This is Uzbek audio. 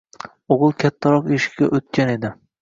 O`g`il kattaroq ishga o`tgan edi